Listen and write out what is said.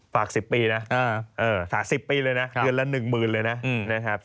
ฝาก๑๐ปีนะ๑๐ปีมาเลยนะเทือนละ๑๐๐๐๐บาทเลยนะ